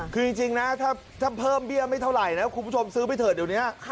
คือจริงนะถ้าเพิ่มเบี้ยไม่เท่าไหร่นะคุณผู้ชมซื้อไปเถอะเดี๋ยวนี้